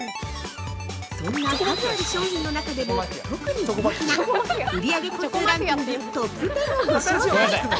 そんな数ある商品の中でも特に人気な売上個数ランキングトップ１０をご紹介。